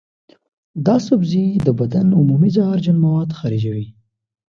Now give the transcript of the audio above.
دا سبزی د بدن عمومي زهرجن مواد خارجوي.